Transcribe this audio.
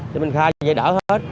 thì mình khai vậy đỡ hết